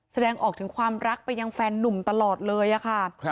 แสดงออกถึงความรักไปยังแฟนนุ่มตลอดเลยค่ะ